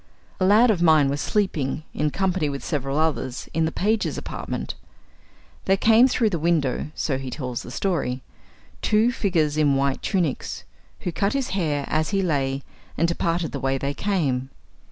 A lad of mine was sleeping, in company with several others, in the pages' apartment. There came through the windows (so he tells the story) two figures in white tunics, who cut his hair as he lay, and departed the way they came.